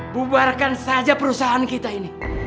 bubarkan saja perusahaan kita ini